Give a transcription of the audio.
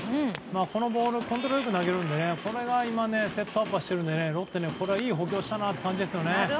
このボールコントロール良く投げるのでこのセットアッパーロッテは、これはいい補強をしたなという感じですよね。